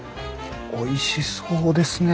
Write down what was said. おいしそうですね。